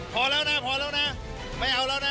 พอแล้วนะพอแล้วนะไม่เอาแล้วนะ